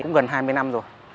cũng gần hai mươi năm rồi